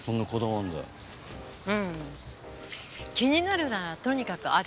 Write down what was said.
うん気になるならとにかく歩く。